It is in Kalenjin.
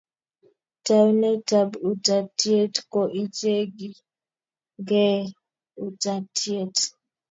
Taunetap utaatyet ko icheeng'jigei utaatyet.